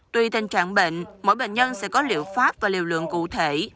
tuy tình trạng bệnh mỗi bệnh nhân sẽ có liệu pháp và liều lượng cụ thể